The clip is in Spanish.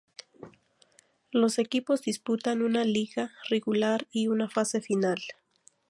Los equipos disputan una liga regular y una fase final.